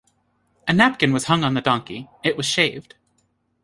A napkin was hung on the donkey; it was shaved.